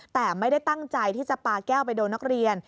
แต่ไม่ได้ตั้งใจที่จะปาแก้วไปโดนนักเรียน